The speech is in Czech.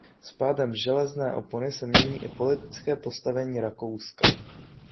S pádem „železné opony“ se mění i politické postavení Rakouska.